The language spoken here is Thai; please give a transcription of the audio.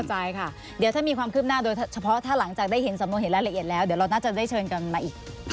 ใจค่ะเดี๋ยวถ้ามีความคืบหน้าโดยเฉพาะถ้าหลังจากได้เห็นสำนวนเห็นรายละเอียดแล้วเดี๋ยวเราน่าจะได้เชิญกันมาอีก